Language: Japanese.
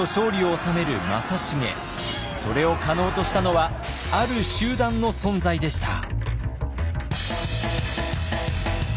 それを可能としたのはある集団の存在でした。